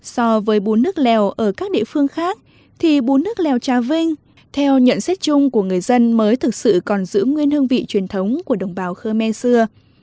so với bốn nước lèo ở các địa phương khác thì bốn nước lèo trà vinh theo nhận xét chung của người dân mới thực sự còn giữ nguyên hương vị truyền thống của đồng bào khơ me xưa